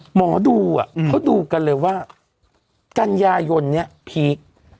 หมอดูเขาดูกันเลยว่ากันยายนนี้พีค